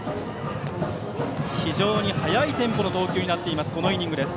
非常に速いテンポの投球になっているこのイニングです。